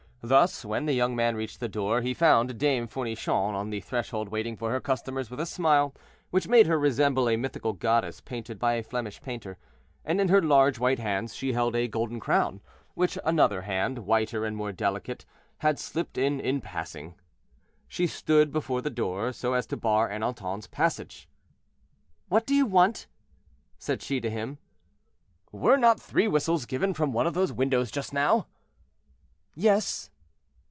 Thus, when the young man reached the door, he found Dame Fournichon on the threshold waiting for her customers with a smile, which made her resemble a mythological goddess painted by a Flemish painter, and in her large white hands she held a golden crown, which another hand, whiter and more delicate, had slipped in, in passing. She stood before the door, so as to bar Ernanton's passage. "What do you want?" said she to him. "Were not three whistles given from one of those windows just now?" "Yes."